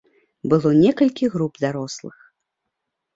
Было некалькі груп дарослых.